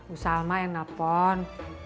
usah ma yang telepon